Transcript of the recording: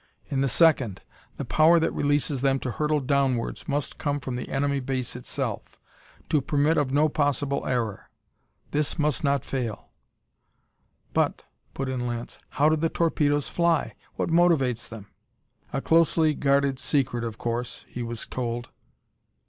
In the second, the power that releases them to hurtle downwards must come from the enemy base itself, to permit of no possible error. This must not fail!" "But," put in Lance, "how do the torpedoes fly? What motivates them?" "A closely guarded secret, of course," he was told.